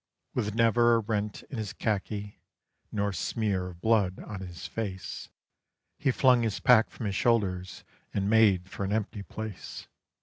With never a rent in his khaki, nor smear of blood on his face, He flung his pack from his shoulders and made for an empty place.